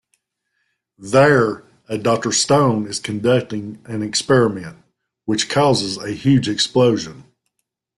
There, a Doctor Stone is conducting an experiment, which causes a huge explosion.